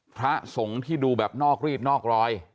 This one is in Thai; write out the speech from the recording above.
พระสงฆ์ที่ดูแบบนอกรีดนอกรอย